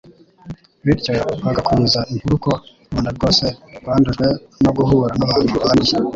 bityo bagakwiza inkuru ko rubanda rwose rwandujwe no guhura n'abantu banduye.